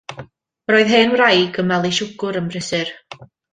Yr oedd hen wraig yn malu siwgr yn brysur.